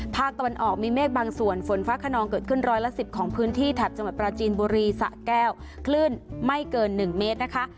ภาคตะวันออกมีเมฆบางส่วนฝนฟ้าขนองเกิดขึ้นร้อยละ๑๐ของพื้นที่แถบจังหวัดปราจีนบุรีสะแก้วคลื่นไม่เกิน๑เมตรนะคะ